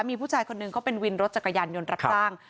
มีผู้ชายคนหนึ่งเขาเป็นวินรถจักรยานยนต์รับจ้าง